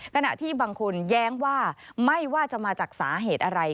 ขณะที่บางคนแย้งว่าไม่ว่าจะมาจากสาเหตุอะไร